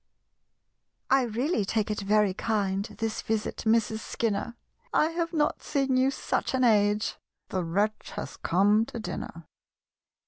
"I really take it very kind, This visit, Mrs. Skinner, I have not seen you such an age (The wretch has come to dinner!)